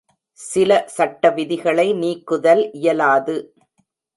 சில சட்ட விதிகளை நீக்குதல் இயலாது.